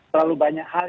terlalu banyak hal